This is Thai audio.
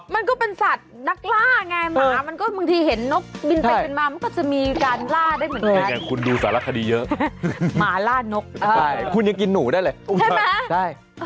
มันก็อาจจะเป็นสัตว์นักล่าไงกับผู้ถูกล่า